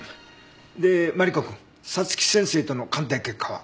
でマリコくん早月先生との鑑定結果は？